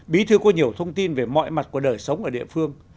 bí thư có nhiều thông tin về mọi mặt của đời sống ở địa phương